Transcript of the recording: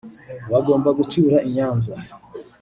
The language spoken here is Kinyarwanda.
bagomba gutura i Nyanza